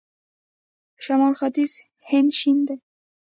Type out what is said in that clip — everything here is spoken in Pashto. شمال ختیځ هند شین دی.